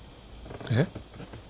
えっ？